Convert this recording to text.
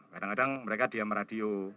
kadang kadang mereka diam radio